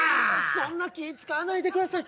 そんな、気遣わないでください。